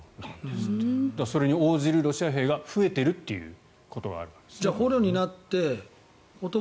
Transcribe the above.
それに応じるロシア兵が増えているということがあると。